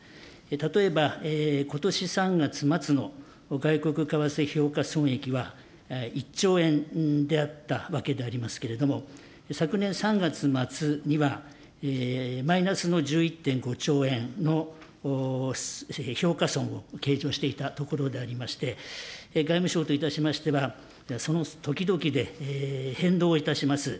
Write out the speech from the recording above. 例えば、ことし３月末の外国為替評価損益は、１兆円であったわけでありますけれども、昨年３月末には、マイナスの１１．５兆円の評価損を計上していたところでありまして、外務省といたしましては、その時々で変動いたします